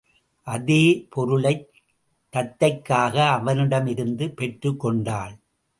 அதே பொருளைத் தத்தைக்காக அவனிடமிருந்தும் பெற்றுக் கொண்டாள்.